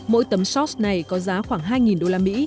mỗi tấm shots này có giá khoảng hai usd